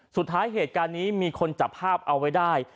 สุดท้ายเหตุการณ์นี้มีคนจับภาพเอาไว้ได้